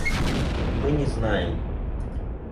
Мы не знаем